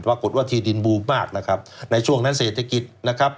ปรากฏว่าที่ดินบูมมากนะครับในช่วงนั้นเศรษฐกิจนะครับ